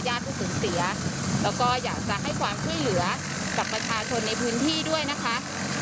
ผู้สูญเสียแล้วก็อยากจะให้ความช่วยเหลือกับประชาชนในพื้นที่ด้วยนะคะ